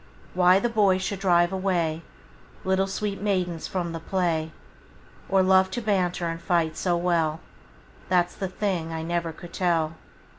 Why the boys should drive away Little sweet maidens from the play, Or love to banter and fight so well, That 's the thing I never could tell.